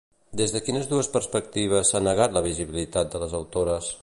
Des de quines dues perspectives s'ha negat la visibilitat de les autores?